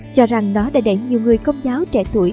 cho rằng nó đã đẩy nhiều người công giáo trẻ tuổi